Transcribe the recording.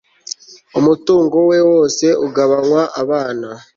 umutungo we wose ugabanywa abana